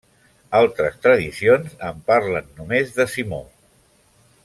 Altres tradicions en parlen només de Simó.